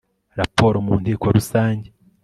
raporo mu nteko rusange